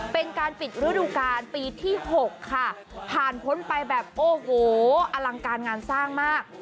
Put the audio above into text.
เป็นการปิดฤดูกาลปีที่๖ค่ะผ่านพ้นไปแบบโอ้โหอลังการงานสร้างมาก